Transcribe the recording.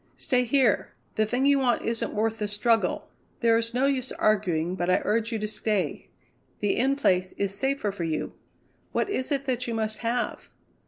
"Stay here. The thing you want isn't worth the struggle. There is no use arguing, but I urge you to stay. The In Place is safer for you. What is it that you must have?"